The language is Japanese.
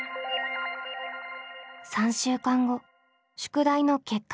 ３週間後宿題の結果発表。